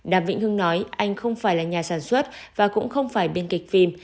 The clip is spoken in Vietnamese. đàm vĩnh hưng nói anh không phải là nhà sản xuất và cũng không phải biên kịch phim